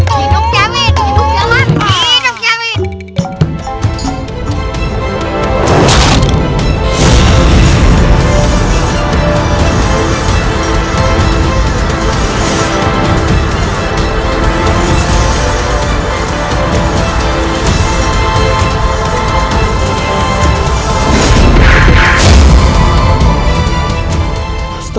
hidup ya minta hidup ya minta